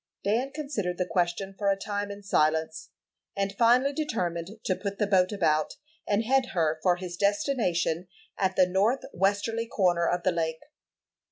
'" Dan considered the question for a time in silence, and finally determined to put the boat about, and head her for his destination at the north westerly corner of the lake.